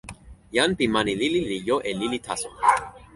jan pi mani lili li jo e lili taso.